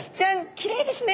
きれいですね。